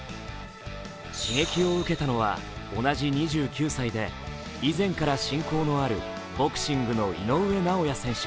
刺激を受けたのは同じ２９歳で以前から親交のあるボクシングの井上尚弥選手。